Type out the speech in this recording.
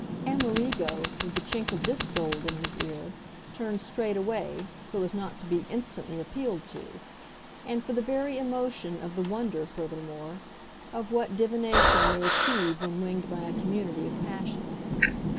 Amerigo, with the chink of this gold in his ear, turned straight away, so as not to be instantly appealed to; and for the very emotion of the wonder, furthermore, of what divination may achieve when winged by a community of passion.